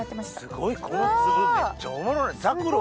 すごいこの粒めっちゃおもろい。